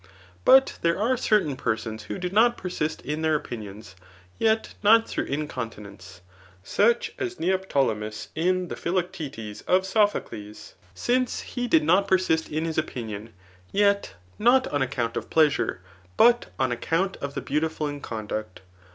But there are certain persons who do not persist in their opinions, yet not through in continence, such as Neoptolemus in the Philoctetes of So]:Aocles ; since he did not persist in his opinion, yet, not on account of pleasure, but on account of the beauti ful in conduct.